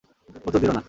উত্তর দিলো না।